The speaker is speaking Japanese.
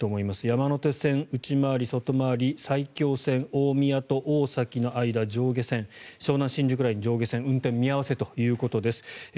山手線内回り・外回り埼京線、大宮と大崎の間上下線湘南新宿ライン上下線運転見合わせということです。